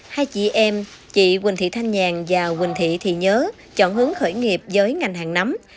hai chị em chị quỳnh thị thanh nhàn và quỳnh thị thị nhớ chọn hướng khởi nghiệp với ngành hàng nắm